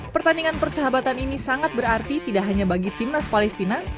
pertandingan persahabatan ini sangat berarti tidak hanya bagi timnas palestina